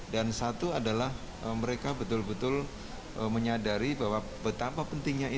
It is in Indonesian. dan satu adalah mereka betul betul menyadari bahwa betapa pentingnya